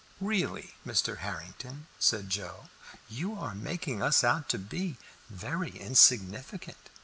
"Really, Mr. Harrington," said Joe, "you are making us out to be very insignificant.